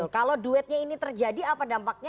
kalau duetnya ini terjadi apa dampaknya